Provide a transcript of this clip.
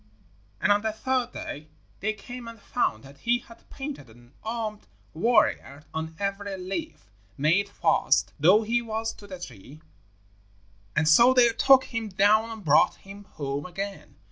And on the third day they came and found that he had painted an armed warrior on every leaf, made fast though he was to the tree, and so they took him down and brought him home again.